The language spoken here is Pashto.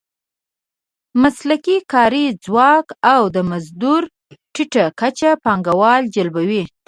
مسلکي کاري ځواک او د مزدور ټیټه کچه پانګوال جلبوي.